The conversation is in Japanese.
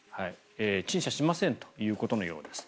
陳謝しませんということのようです。